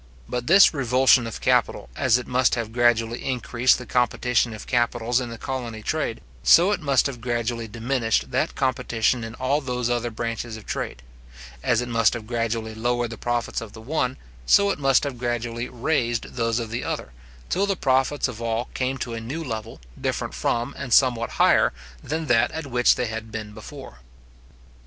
But this revulsion of capital, as it must have gradually increased the competition of capitals in the colony trade, so it must have gradually diminished that competition in all those other branches of trade; as it must have gradually lowered the profits of the one, so it must have gradually raised those of the other, till the profits of all came to a new level, different from, and somewhat higher, than that at which they had been before.